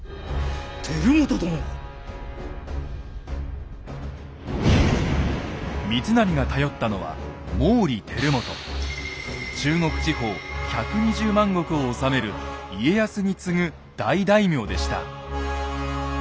輝元殿を⁉三成が頼ったのは中国地方１２０万石を治める家康に次ぐ大大名でした。